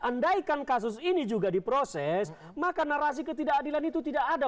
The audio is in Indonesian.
andaikan kasus ini juga diproses maka narasi ketidakadilan itu tidak ada